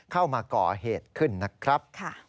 เข้ามาก่อเหตุขึ้นนะครับ